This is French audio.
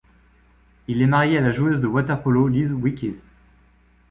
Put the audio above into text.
Il est marié à la joueuse de water-polo Liz Weekes.